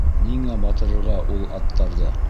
Ниңә батырырға ул аттарҙы.